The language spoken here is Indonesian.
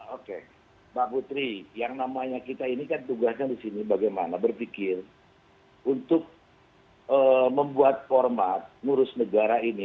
oke mbak putri yang namanya kita ini kan tugasnya di sini bagaimana berpikir untuk membuat format ngurus negara ini